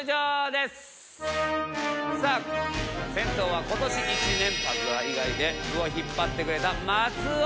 さあ先頭は今年１年パズドラ以外で部を引っ張ってくれた松尾。